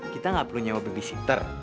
kita gak perlu nyewa babysitter